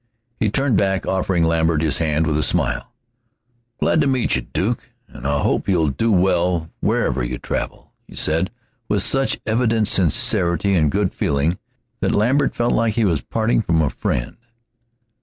He turned back, offering Lambert his hand with a smile. "I'm glad I met you, Duke, and I hope you'll do well wherever you travel," he said, with such evident sincerity and good feeling that Lambert felt like he was parting from a friend.